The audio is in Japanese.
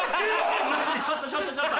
ちょっとちょっとちょっと！